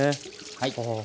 はい。